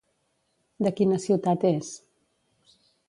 De quina ciutat és?